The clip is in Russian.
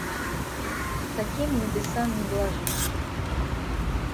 С таким небесам не блажить.